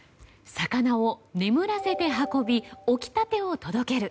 魚を眠らせて運び起きたてを届ける。